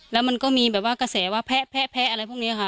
แล้วมันก็มีแบบว่ากระแสว่าแพะอะไรพวกนี้ค่ะ